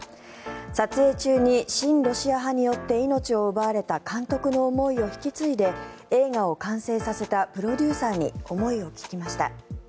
撮影中に親ロシア派によって命を奪われた監督の思いを引き継いで映画を完成させたプロデューサーに思いを聞きました。